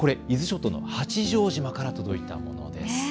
伊豆諸島の八丈島から届いたものです。